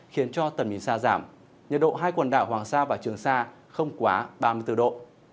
khiến cho tầm mìn xa giảm nhiệt độ hai quần đảo hoàng sa và trường sa không quá ba mươi bốn độ